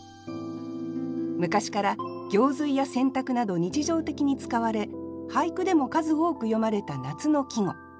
昔から行水や洗濯など日常的に使われ俳句でも数多く詠まれた夏の季語。